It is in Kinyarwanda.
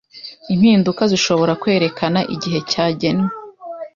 impinduka zishobora kwerekana igihe cyagenwe